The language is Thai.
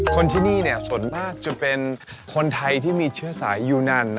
คนที่นี่ส่วนมากจะเป็นคนไทยที่มีเชื้อสายยูนาน